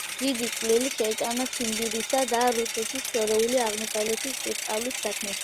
დიდი წვლილი შეიტანა ციმბირისა და რუსეთის შორეული აღმოსავლეთის შესწავლის საქმეში.